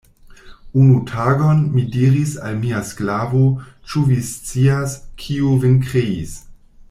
Unu tagon, mi diris al mia sklavo, Ĉu vi scias, kiu vin kreis?